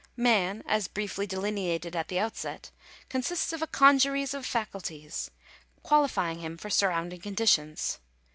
Man, as briefly delineated at the outset, (p. 19) consists of a congeries of faculties, qualifying him for surrounding conditions.